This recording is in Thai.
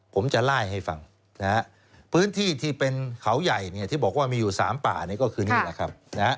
ผมจะไล่ให้ฟังพื้นที่ที่เป็นเขาใหญ่ที่บอกว่ามีอยู่๓ป่านี่ก็คือนี่แหละครับ